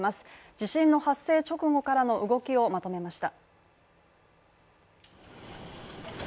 地震の発生直後からの動きをまとめました